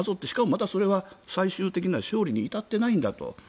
しかもまだそれは最終的な勝利に至ってないんだと。